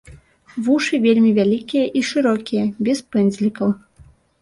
Вушы вельмі вялікія і шырокія, без пэндзлікаў.